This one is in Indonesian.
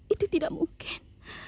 itu tidak mungkin